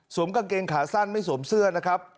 กางเกงขาสั้นไม่สวมเสื้อนะครับ